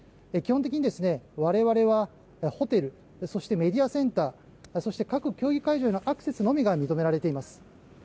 基本的に我々はホテルそしてメディアセンターそして各競技会場のアクセスのみが認められています。